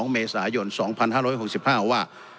๒เมษายน๒๕๖๕ว่า